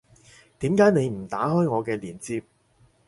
點解你唔打開我嘅鏈接